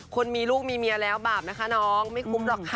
คนมีลูกมีเมียแล้วบาปนะคะน้องไม่คุ้มหรอกค่ะ